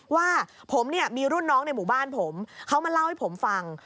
ว่าผมเนี่ยมีรุ่นน้องในหมู่บ้านผมเขามาเล่าให้ผมฟัง